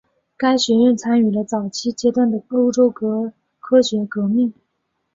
该学院参与了早期阶段的欧洲科学革命。